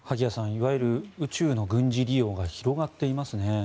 いわゆる宇宙の軍事利用が広がっていますね。